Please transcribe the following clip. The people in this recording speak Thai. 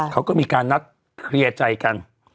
เขาก็มีการนัดเคลียร์ใจกัน